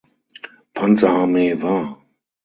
Panzerarmee war.